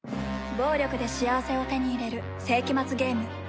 暴力で幸せを手に入れる世紀末ゲーム